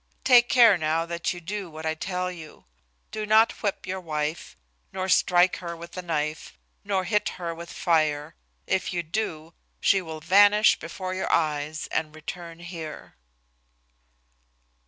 Take care now that you do what I tell you. Do not whip your wife, nor strike her with a knife, nor hit her with fire. If you do, she will vanish before your eyes and return here."